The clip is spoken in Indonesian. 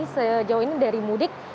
sejauh ini dari mudik